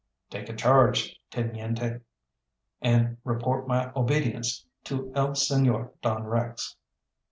"Take charge, Teniente, and report my obedience to El Señor Don Rex.